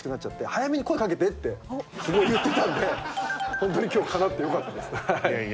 早めに声掛けてってすごい言ってたんでホントに今日かなってよかったです。